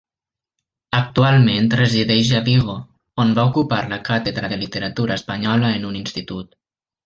Actualment resideix a Vigo, on va ocupar la càtedra de literatura espanyola en un institut.